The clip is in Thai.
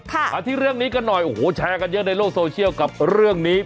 มาที่เรื่องนี้กันหน่อยโอ้โหแชร์กันเยอะในโลกโซเชียลกับเรื่องนี้